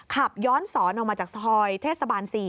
ขับย้อนสอนออกมาจากซอยเทศบาล๔